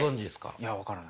いや分からないです。